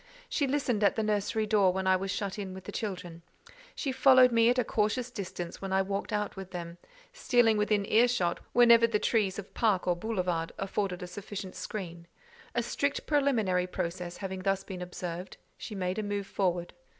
She listened at the nursery door when I was shut in with the children; she followed me at a cautious distance when I walked out with them, stealing within ear shot whenever the trees of park or boulevard afforded a sufficient screen: a strict preliminary process having thus been observed, she made a move forward.